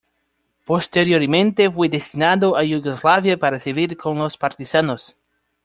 Posteriormente fue destinado a Yugoslavia para servir con los partisanos.